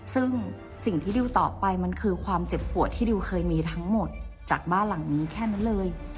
ซึ่งสิ่งที่ดิวตอบไปมันคือความเจ็บปวดที่ดิวเคยมีทั้งหมดจากบ้านหลังนี้แค่นั้นเลย